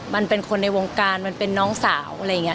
มันเป็นคนในวงการมันเป็นน้องสาวอะไรอย่างนี้